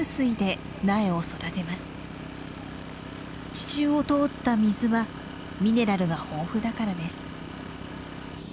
地中を通った水はミネラルが豊富だからです。